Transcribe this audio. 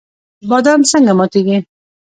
بادام څنګه ماتیږي؟